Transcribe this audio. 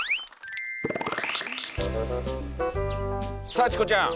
さあチコちゃん。